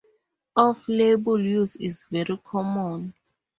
Off-label use is very common.